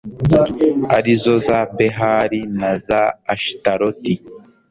ari zo za behali na za ashitaroti